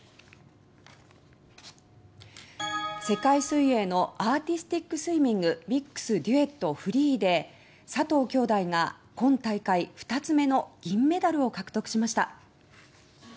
世界水泳のアーティスティックスイミングミックス・デュエットフリーで佐藤姉弟が今大会２つ目の銀メダルを獲得しました。